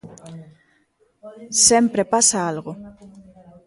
Sempre pasa algo.